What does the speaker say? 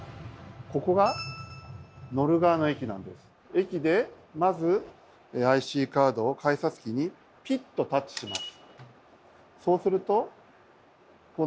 駅でまずＩＣカードを改札機にピッとタッチします。